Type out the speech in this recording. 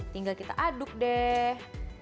tinggal kita aduk deh